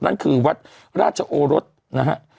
นั่นคือวัดราชโอรสนะฮะ